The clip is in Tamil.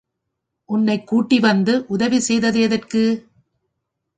உன்னை கூட்டி வந்து உதவி செய்தது எதற்கு?